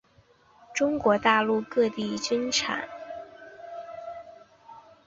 中国大陆各地均产。